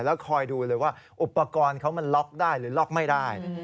แล้วคอยดูเลยว่าอุปกรณ์เขามันล็อกได้หรือล็อกไม่ได้